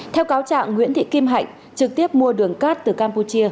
theo cáo trạng nguyễn thị kim hạnh trực tiếp mua đường cát từ campuchia